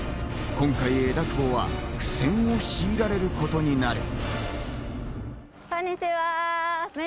今回、枝久保は苦戦を強いられることになる。